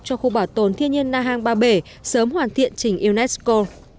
cho khu bảo tồn thiên nhiên na hàng ba bể sớm hoàn thiện trình unesco